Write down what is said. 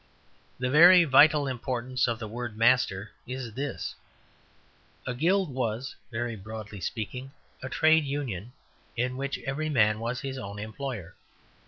The very vital importance of the word "Master" is this. A Guild was, very broadly speaking, a Trade Union in which every man was his own employer.